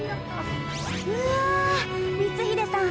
うわ光秀さん